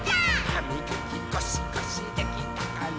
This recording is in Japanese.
「はみがきゴシゴシできたかな？」